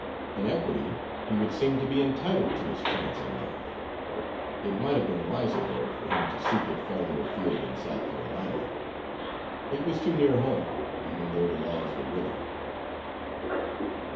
In equity he would seem to be entitled to his chance in life; it might have been wiser, though, for him to seek it farther afield than South Carolina. It was too near home, even though the laws were with him."